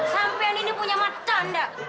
sampian ini punya mata ndak